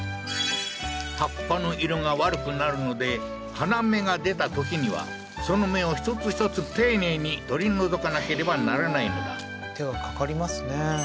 葉っぱの色が悪くなるので花芽が出たときにはその芽を一つ一つ丁寧に取り除かなければならないのだ手がかかりますね